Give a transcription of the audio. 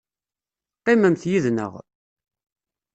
Qqimemt yid-nneɣ.